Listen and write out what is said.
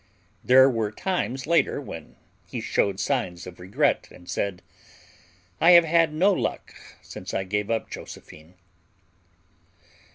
There were times later when he showed signs of regret and said: "I have had no luck since I gave up Josephine!"